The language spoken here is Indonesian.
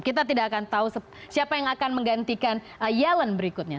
kita tidak akan tahu siapa yang akan menggantikan yellen berikutnya